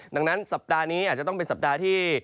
ดังนั้นสัปดาห์นี้อาจจะต้องเป็นสัปดาห์ที่